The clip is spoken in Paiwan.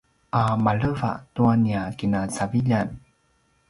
a maleva tua nia kinacaviljan